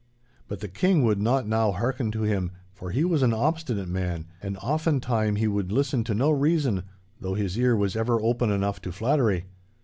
But the King would not now hearken to him; for he was an obstinate man, and oftentime he would listen to no reason, though his ear was ever open enough to flattery.